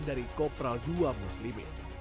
tandari kopral dua muslimin